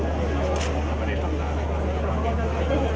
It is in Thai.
เมืองอัศวินธรรมดาคือสถานที่สุดท้ายของเมืองอัศวินธรรมดา